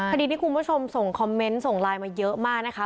คดีที่คุณผู้ชมส่งคอมเมนต์ส่งไลน์มาเยอะมากนะคะ